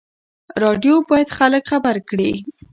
راډیو باید خلک خبر کړي.